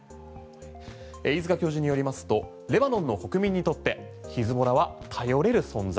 飯塚教授によりますとレバノンの国民にとってヒズボラは頼れる存在。